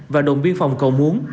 và đồng biên phòng cầu muốn